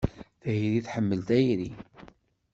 Tayri tḥemmel tayri.